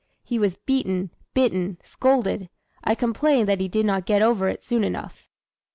He was beaten, bitten, scolded. I complained that he did not get over it soon enough."